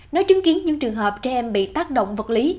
nếu chứng kiến những trường hợp trẻ em bị tác động vật lý